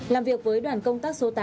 làm việc với đoàn công tác số tám